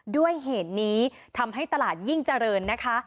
ด้วยเหตุนี้ทำให้ตลาดยิ่งเจริญนะคะ